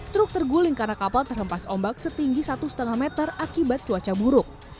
truk terguling karena kapal terhempas ombak setinggi satu lima meter akibat cuaca buruk